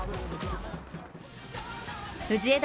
藤枝